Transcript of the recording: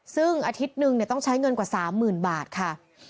ซึ่งอาทิตย์หนึ่งต้องใช้เงินกว่า๓๐๐๐บาทค่ะ